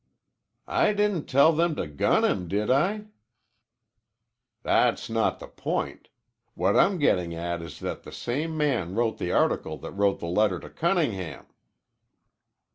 "I didn't tell them to gun him, did I?" "That's not the point. What I'm gettin' at is that the same man wrote the article that wrote the letter to Cunningham."